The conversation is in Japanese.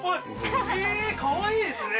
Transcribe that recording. ええーかわいいですね